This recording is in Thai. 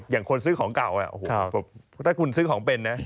คนซื้อของเก่าถ้าคุณซื้อของเป็นนะ